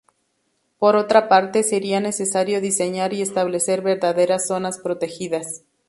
Por otra parte, sería necesario diseñar y establecer verdaderas zonas protegidas.